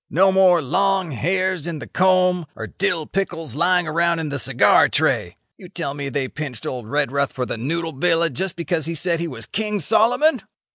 No more long hairs in the comb or dill pickles lying around in the cigar tray.' You tell me they pinched old Redruth for the noodle villa just because he said he was King Solomon?